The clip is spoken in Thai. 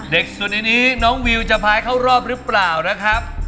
ส่วนในนี้น้องวิวจะพายเข้ารอบหรือเปล่านะครับ